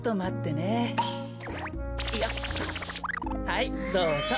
はいどうぞ。